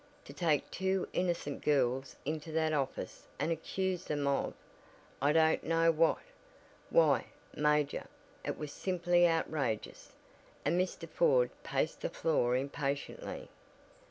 To take two innocent girls into that office and accuse them of I don't know what! Why, Major, it was simply outrageous," and Mr. Ford paced the floor impatiently.